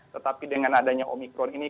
tetapi dengan adanya omikron ini